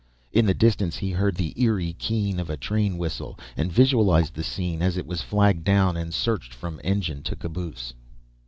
In the distance he heard the eerie keen of a train whistle, and visualized the scene as it was flagged down and searched from engine to caboose.